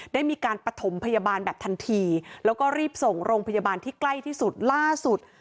ได้มีการปฐมพยาบาลแบบทันทีแล้วก็รีบส่งโรงพยาบาลที่ใกล้ที่สุดล่าสุด